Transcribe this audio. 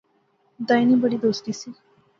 دائیں نی بڑی دوستی سی